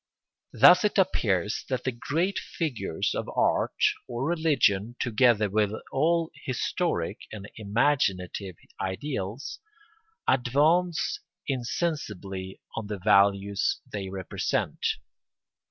Thus it appears that the great figures of art or religion, together with all historic and imaginative ideals, advance insensibly on the values they represent.